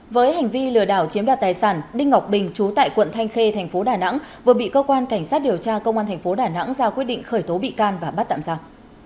với hành vi lừa đảo chiếm đoạt tài sản đinh ngọc bình chú tại quận thanh khê thành phố đà nẵng vừa bị cơ quan cảnh sát điều tra công an thành phố đà nẵng ra quyết định khởi tố bị can và bắt tạm giả